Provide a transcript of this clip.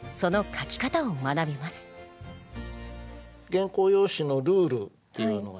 原稿用紙のルールっていうのがあってね。